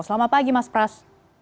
selamat pagi mas pras